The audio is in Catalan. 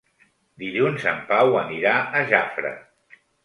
Dilluns en Pau anirà a Jafre.